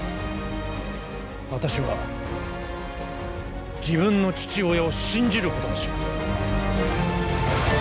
私は自分の父親を信じることにします